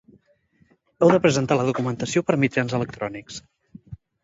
Heu de presentar la documentació per mitjans electrònics.